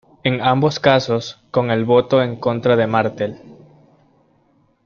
En ambos casos, con el voto en contra de Martel.